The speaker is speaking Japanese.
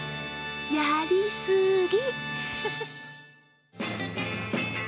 やり過ぎ！